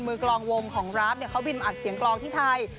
กลองวงของราฟเขาบินอัดเสียงกลองที่ไทย